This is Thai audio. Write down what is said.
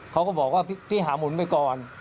เขาก็บอกว่าพี่หาหมุนไปก่อน